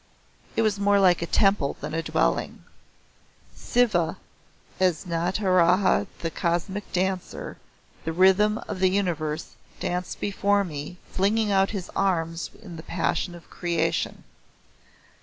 It was more like a temple than a dwelling. Siva, as Nataraja the Cosmic Dancer, the Rhythm of the Universe, danced before me, flinging out his arms in the passion of creation.